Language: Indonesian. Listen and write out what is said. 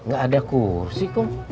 gak ada kursi kum